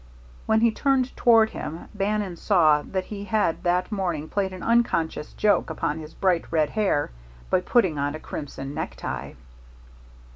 When he turned toward him Bannon saw that he had that morning played an unconscious joke upon his bright red hair by putting on a crimson necktie.